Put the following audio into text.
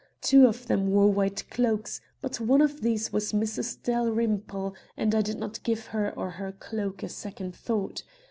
Two of them wore white cloaks, but one of these was Mrs. Dalrymple, and I did not give her or her cloak a second thought.